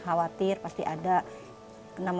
kita curah hujan tidak tahu